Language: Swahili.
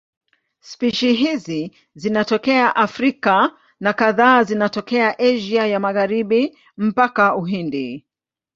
Spishi hizi zinatokea Afrika na kadhaa zinatokea Asia ya Magharibi mpaka Uhindi.